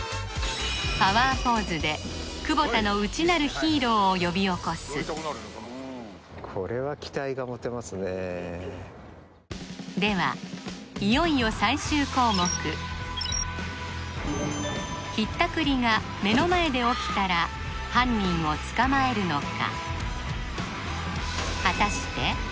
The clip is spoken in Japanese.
パワーポーズで久保田のこれはではいよいよ最終項目ひったくりが目の前で起きたら犯人を捕まえるのか？